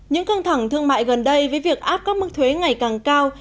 những căng thẳng thương mại gần đây với việc áp các mức thuế ngày càng cao